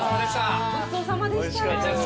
ごちそうさまでした。